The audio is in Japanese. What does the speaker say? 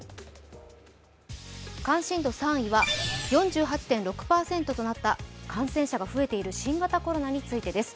関心度３位は４８．６％となった感染者が増えている新型コロナについてです。